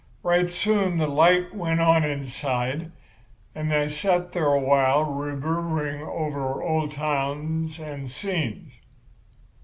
Right soon the light went out inside; and I sat there a while reverberating over old times and scenes.